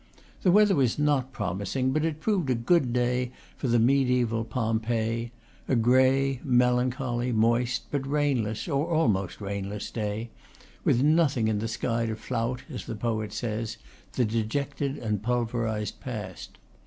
The weather was not promising, but it proved a good day for the mediaeval Pompeii; a gray, melancholy, moist, but rainless, or almost rainless day, with nothing in the sky to flout, as the poet says, the dejected and pulverized past.